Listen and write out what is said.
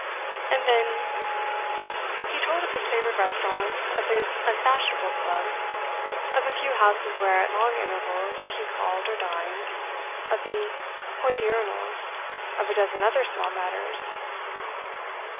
And then ' He told of his favourite restaurants, of his unfashionable club, of a few houses where, at long intervals, he called or dined, of the Hodiernals, of a dozen other small matters.